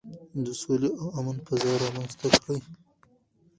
د سولې او امن فضا رامنځته کړئ.